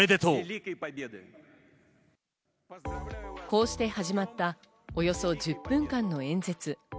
こうして始まったおよそ１０分間の演説。